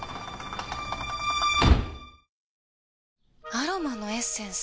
アロマのエッセンス？